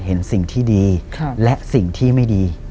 เห็นสิ่งที่ดีและสิ่งที่ไม่ดี